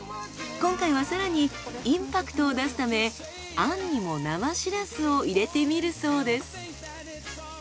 今回は更にインパクトを出すためあんにも生シラスを入れてみるそうです。